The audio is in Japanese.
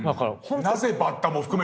なぜバッタも含めてね。